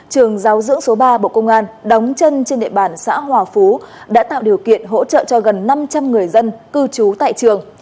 trường giáo dưỡng số ba bộ công an đóng chân trên địa bàn xã hòa phú đã tạo điều kiện hỗ trợ cho gần năm trăm linh người dân cư trú tại trường